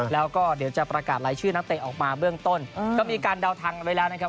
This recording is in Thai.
แล้วก็เดี๋ยวจะประกาศรายชื่อนักเตะออกมาเบื้องต้นก็มีการเดาทางกันไว้แล้วนะครับ